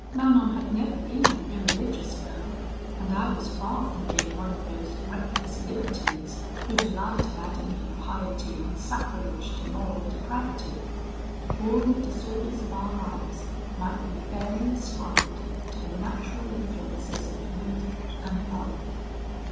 Manon had never been an irreligious girl, and I was far from being one of those reckless libertines who delight in adding impiety and sacrilege to moral depravity: all the disorders of our lives might be fairly ascribed to the natural influences of youth and love.